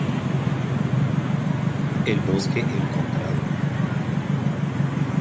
El Bosque Encontrado.